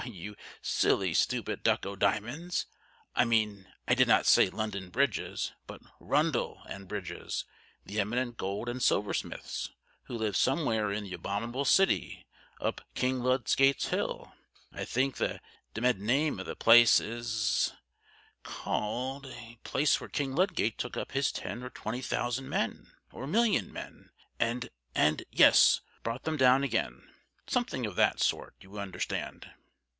"Why you silly stupid duck o'diamonds I mean, I did not say London Bridges! but Rundell and Bridges, the eminent gold and silversmiths, who live somewhere in the abominable city, up King Ludgate's Hill I think the dem'med name of the place is called a place where King Ludgate took up his ten or twenty thousand men, or million men and and yes, brought them down again something of that sort you understand."